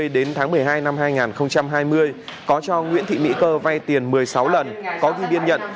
đến tháng một mươi hai năm hai nghìn hai mươi có cho nguyễn thị mỹ cơ vay tiền một mươi sáu lần có ghi biên nhận